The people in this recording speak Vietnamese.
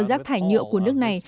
rác thải nhựa của nước này